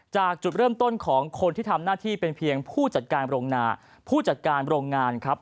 จากจุดเริ่มต้นของคนที่ทำหน้าที่เป็นเพียงผู้จัดการโรงนาผู้จัดการโรงงานครับ